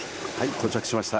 到着しました。